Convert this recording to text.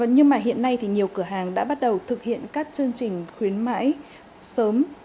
nhưng mà hiện nay thì nhiều cửa hàng đã bắt đầu thực hiện các chương trình khuyến mãi sớm